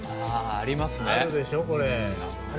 あるでしょこれ。